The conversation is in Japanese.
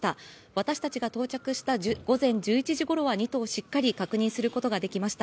私たちが到着した午前１１時ごろは、２頭しっかり確認することができました。